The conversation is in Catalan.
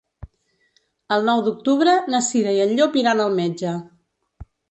El nou d'octubre na Cira i en Llop iran al metge.